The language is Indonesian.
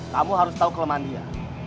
kamu harus tahu kelemahan dia